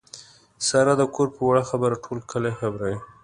ساره د کور په وړه خبره ټول کلی خبروي.